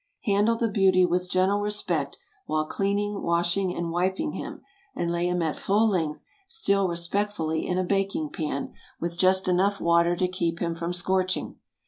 Handle the beauty with gentle respect while cleaning, washing, and wiping him, and lay him at full length, still respectfully, in a baking pan, with just enough water to keep him from scorching.